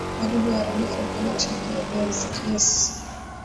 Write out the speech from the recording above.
wadudu waharibifu hupenda kushambulia Viazi lis